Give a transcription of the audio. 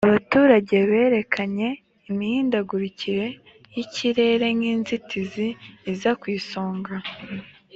abaturage berekanye imihindagurikire y ikirere nk inzitizi iza ku isonga